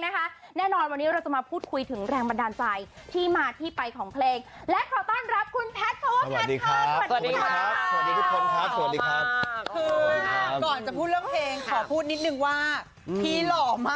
ใช่ค่ะวันเวลาทำอะไรพี่ไม่ได้เลยจริงค่อนข้างตอนที่๔๐แล้วใช่ไหม